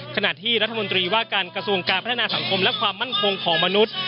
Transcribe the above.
ขณะที่รัฐมนตรีว่าการกระทรวงการพัฒนาสังคมและความมั่นคงของมนุษย์